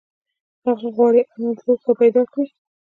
هغه غواړي اړوند لوحه پیدا کړي.